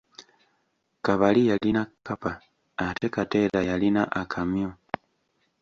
Kabali yalina kkapa ate Kateera yalina akamyu.